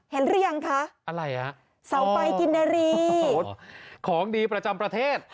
หรือยังคะอะไรอ่ะเสาไฟกินนารีของดีประจำประเทศ